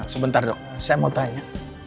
sebentar dok saya mau tanya